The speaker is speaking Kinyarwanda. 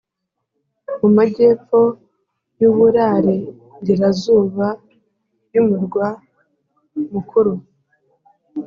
mu majyepfo y'iburarengerazuba y'umurwa mukuru.